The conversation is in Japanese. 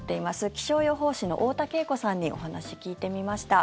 気象予報士の太田景子さんにお話、聞いてみました。